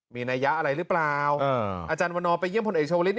มีนัยยะอะไรหรือเปล่าอาจารย์วันนอไปเยี่ยมพลเอกชาวลิศ